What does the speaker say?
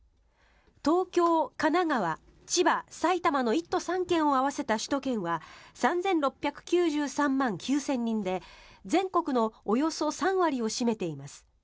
東京、神奈川、千葉、埼玉の１都３県を合わせた首都圏は３６９３万９０００人で全国のおよそ３割を占めています。